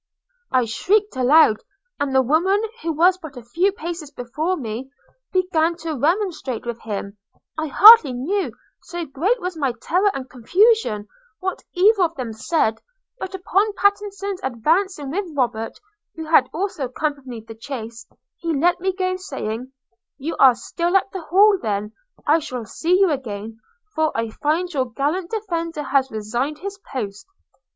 – I shrieked aloud; and the woman, who was but a few paces before me, began to remonstrate with him – I hardly knew, so great was my terror and confusion, what either of them said; but upon Pattenson's advancing with Robert, who had also accompanied the chaise, he let me go, saying, 'You are still at the Hall then; I shall see you again, for I find your gallant defender has resigned his post.'